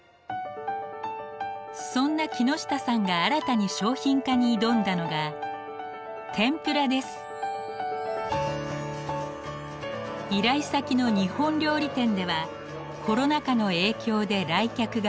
そんな木下さんが新たに商品化に挑んだのが依頼先の日本料理店ではコロナ禍の影響で来客が減少。